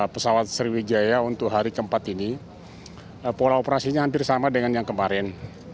pesawat sriwijaya untuk hari keempat ini pola operasinya hampir sama dengan yang kemarin